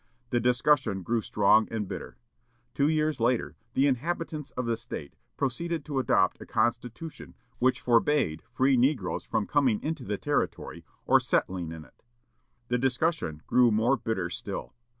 The discussion grew strong and bitter. Two years later the inhabitants of the State proceeded to adopt a constitution which forbade free negroes from coming into the territory or settling in it. The discussion grew more bitter still.